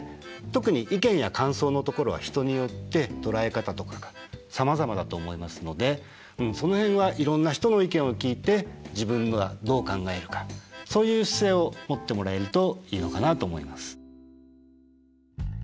特に意見や感想のところは人によって捉え方とかがさまざまだと思いますのでその辺はそういう姿勢を持ってもらえるといいのかなと思います。